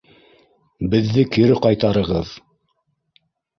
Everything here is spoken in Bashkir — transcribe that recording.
— Беҙҙе кире ҡайтарығыҙ!